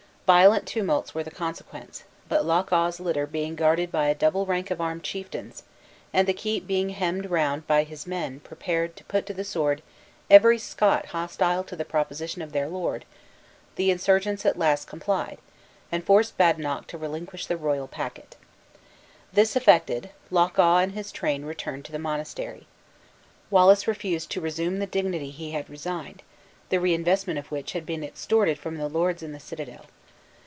Violent tumults were the consequence; but Loch awe's litter being guarded by a double rank of armed chieftains, and the keep being hemmed round by his men prepared to put to the sword every Scot hostile to the proposition of their lord, the insurgents at last complied, and forced Badenoch to relinquish the royal packet. This effected, Loch awe and his train returned to the monastery. Wallace refused to resume the dignity he had resigned, the reinvestment of which had been extorted from the lords in the citadel.